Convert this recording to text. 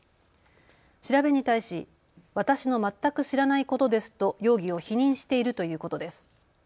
調べに対し私の全く知らないことですと容疑を否認しているということです。